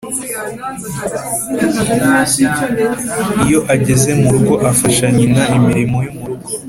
Iyo ageze mu rugo afasha nyina imirimo yo mu rugo